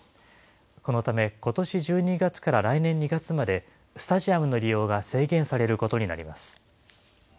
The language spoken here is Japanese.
このため、ことし１２月から来年２月まで、スタジアムの利用が制限されることになります。